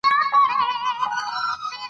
تعلیم نجونو ته د غوره انتخاب کولو ځواک ورکوي.